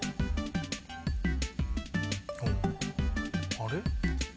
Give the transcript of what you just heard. あれ？